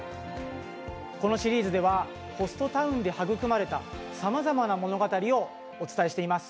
このシリーズではホストタウンで育まれたさまざまな物語をお伝えしています。